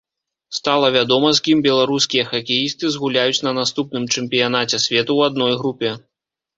Стала вядома, з кім беларускія хакеісты згуляюць на наступным чэмпіянаце свету ў адной групе.